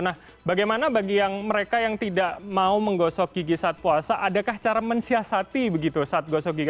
nah bagaimana bagi yang mereka yang tidak mau menggosok gigi saat puasa adakah cara mensiasati begitu saat gosok gigi